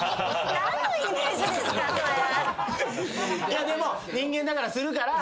いやでも人間だからするから。